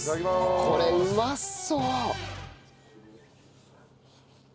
これうまそう！